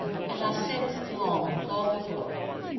And have since the long, long ago.